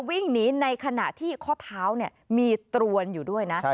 วิ่งหนีในขณะที่ข้อเท้ามีตรวนอยู่ด้วยนะ